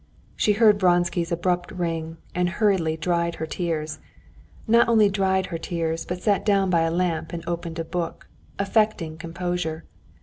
She heard Vronsky's abrupt ring and hurriedly dried her tears—not only dried her tears, but sat down by a lamp and opened a book, affecting composure.